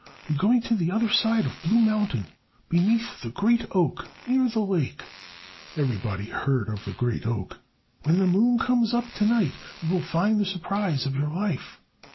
"You are going to the other side of Blue Mountain. Beneath the great oak near the lake" (everybody had heard of the great oak) "when the moon comes up to night, you will find the surprise of your life....